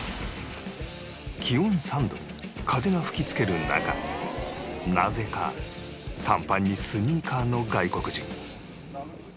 気温３度風が吹きつける中なぜか短パンにスニーカーの外国人